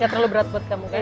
ga terlalu berat buat kamu kan